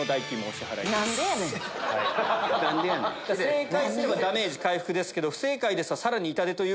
正解すればダメージ回復ですけど不正解ですとさらに痛手。